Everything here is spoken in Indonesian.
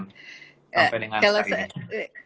kampen dengan saat ini